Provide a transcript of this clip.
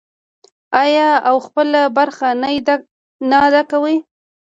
آیا او خپله برخه نه ادا کوي؟